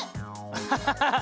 ハハハハハ。